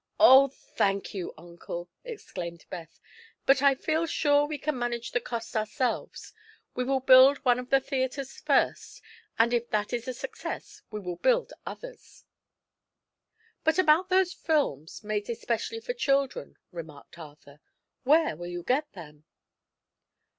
"Oh, thank you, Uncle!" exclaimed Beth. "But I feel sure we can manage the cost ourselves. We will build one of the theatres first, and if that is a success we will build others." "But about those films, made especially for children," remarked Arthur. "Where will you get them?"